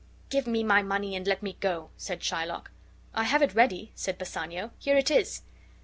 "Give me my money and let me go," said Shylock. "I have it ready," said Bassanio. "Here it is."